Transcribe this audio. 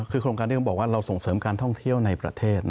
คือโครงการนี้เขาบอกว่าเราส่งเสริมการท่องเที่ยวในประเทศ